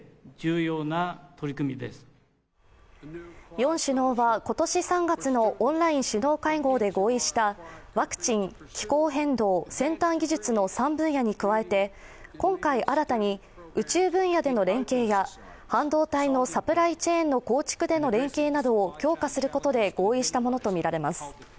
４首脳は今年３月のオンライン首脳会合で合意したワクチン、気候変動、先端技術の３分野に加えて今回、新たに宇宙分野での連携や半導体のサプライチェーンの構築での連携を強化することで合意したものとみられます。